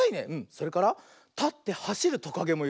それからたってはしるトカゲもいるね。